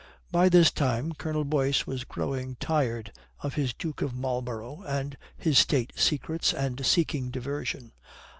By this time Colonel Boyce was growing tired of his Duke of Marlborough and his State secrets, and seeking diversion.